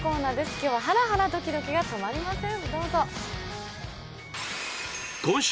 今日はハラハラドキドキが止まりません。